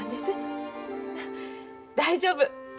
大丈夫。